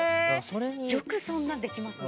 よくそんなのできますね。